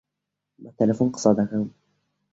بە تەلەفۆن قسە دەکەم.